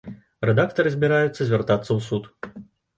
Рэдактары збіраюцца звяртацца ў суд.